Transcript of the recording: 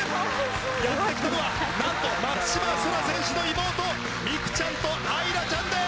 やって来たのはなんと松島輝空選手の妹美空ちゃんと愛空ちゃんです！